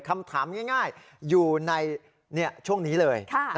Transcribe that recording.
คำถามง่ายอยู่ในช่วงนี้เลย